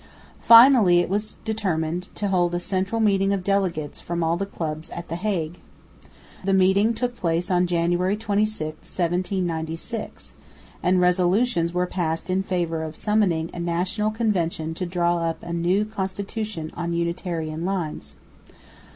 Finally it was determined to hold a central meeting of delegates from all the clubs at the Hague. The meeting took place on Jan. 26, 1796, and resolutions were passed in favour of summoning a National Convention to draw up a new constitution on Unitarian lines.